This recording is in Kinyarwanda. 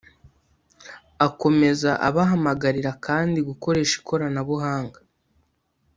Akomeza abahamagarira kandi gukoresha ikoranabuhanga